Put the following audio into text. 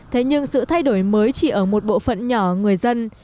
thế nhưng sự thay đổi mới chỉ ở một bộ phận nhỏ người dân